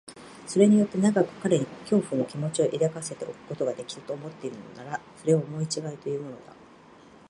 それによって長く彼に恐怖の気持を抱かせておくことができる、と思っているのなら、それは思いちがいというものだ。